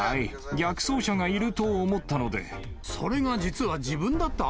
逆走車がいると思ったそれが実は自分だった？